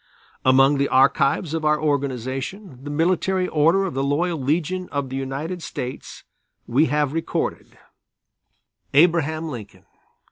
Among the archives of our organization, the Military Order of the Loyal Legion of the United States, we have recorded: _ABRAHAM LINCOLN.